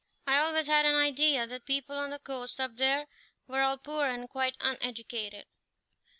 "I always had an idea that the people on the coast up there were all poor and quite uneducated."